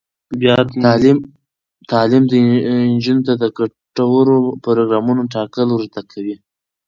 تعلیم نجونو ته د ګټورو پروګرامونو ټاکل ور زده کوي.